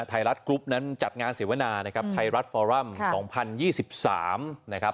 ไทยรัฐกรุ๊ปนั้นจัดงานเสียวนานะครับไทยรัฐฟอรัมน์สองพันยี่สิบสามนะครับ